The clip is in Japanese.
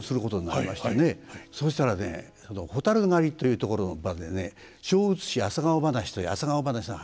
そうしたらね「蛍狩り」というところの場でね「生写朝顔話」という朝顔話の。